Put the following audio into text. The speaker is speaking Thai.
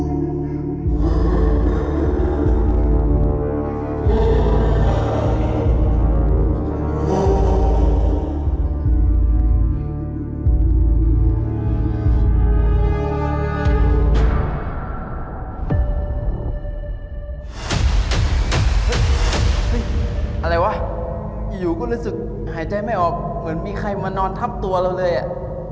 อะไรวะอยู่ก็รู้สึกหายใจไม่ออกเหมือนมีใครมานอนทับตัวเราเลยอ่ะ